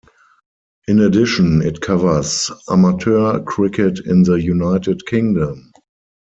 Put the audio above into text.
In addition, it covers amateur cricket in the United Kingdom.